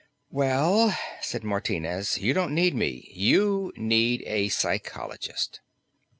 "Well," said Martinez, "you don't need me. You need a psychologist."